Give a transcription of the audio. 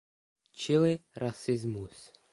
Čili rasismus.